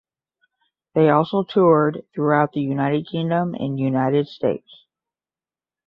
They also toured throughout the United Kingdom and United States.